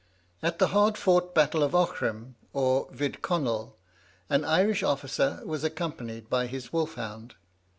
At the hard fought battle of Aughrim, or Vidconnel, an Irish officer was accompanied by his wolf hound.